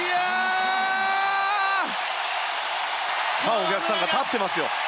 お客さんが立っていますよ。